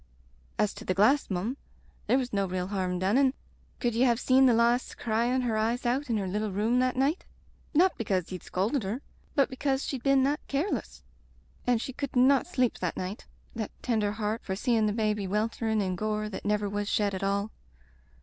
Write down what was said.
As to the glass, mum, there was no real harm done, an' could ye have seen the lass cryin' her eyes out in her little room that night. ..• Not because ye'd scolded her, but because she'd been that careless. And she could not sleep the night, that tender heart, for seein' the baby wel terin' in gore that never was shed at all.